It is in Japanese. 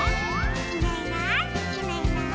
「いないいないいないいない」